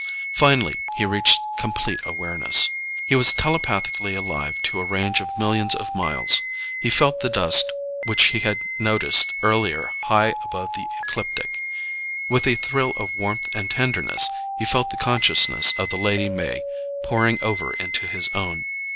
Finally, he reached complete awareness. He was telepathically alive to a range of millions of miles. He felt the dust which he had noticed earlier high above the ecliptic. With a thrill of warmth and tenderness, he felt the consciousness of the Lady May pouring over into his own.